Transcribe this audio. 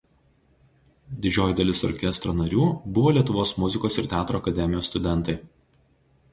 Didžioji dalis orkestro narių buvo Lietuvos muzikos ir teatro akademijos studentai.